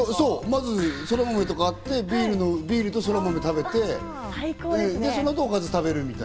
まずそらまめとかあって、ビールとそらまめを食べて、その後おかずを食べる。